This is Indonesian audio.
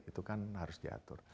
itu kan harus diatur